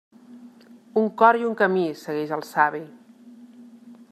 Un cor i un camí segueix el savi.